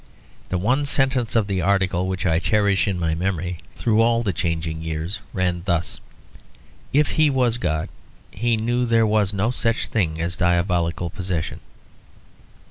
The one sentence of the article, which I cherish in my memory through all the changing years, ran thus: "If he was God, he knew there was no such thing as diabolical possession."